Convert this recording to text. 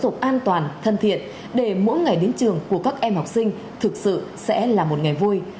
học an toàn thân thiện để mỗi ngày đến trường của các em học sinh thực sự sẽ là một ngày vui